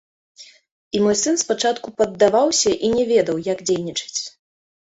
І мой сын спачатку паддаваўся і не ведаў, як дзейнічаць.